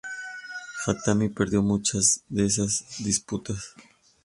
Jatamí perdió muchas de esas disputas.